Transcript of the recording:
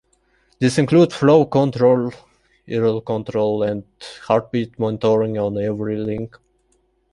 These include flow control, error control, and "heartbeat" monitoring on every link.